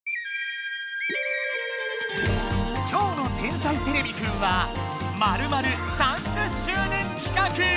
きょうの「天才てれびくん」はまるまる３０周年企画！